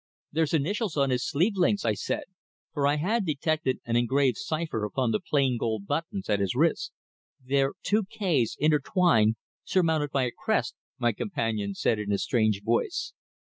"There's initials on his sleeve links," I said, for I had detected an engraved cipher upon the plain gold buttons at his wrists. "They're two `K's' intertwined, surmounted by a crest," my companion said in a strange voice.